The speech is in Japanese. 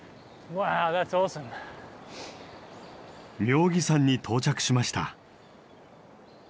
妙義山に到着しました。